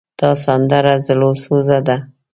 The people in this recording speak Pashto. دا سندره زړوسوزه ده.